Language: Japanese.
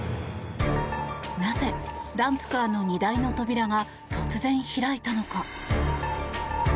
なぜ、ダンプカーの荷台の扉が突然開いたのか。